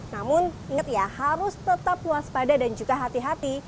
namun ingat ya harus tetap waspada dan juga hati hati